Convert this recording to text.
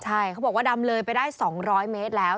ใช่เขาบอกว่าดำเลยไปได้๒๐๐เมตรแล้ว